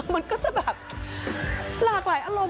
มันก็จะแบบหลากหลายอารมณ์